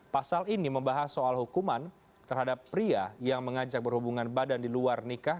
pasal ini membahas soal hukuman terhadap pria yang mengajak berhubungan badan di luar nikah